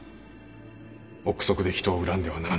憶測で人を恨んではならぬ。